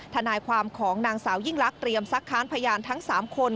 ทนายความของนางสาวยิ่งลักษ์เตรียมซักค้านพยานทั้ง๓คน